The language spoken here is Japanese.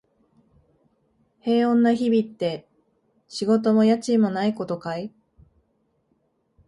平穏な日々って、仕事も家賃もないことかい？